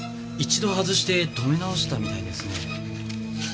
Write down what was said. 一度外して留め直したみたいですね。